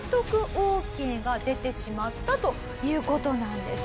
オーケーが出てしまったという事なんです。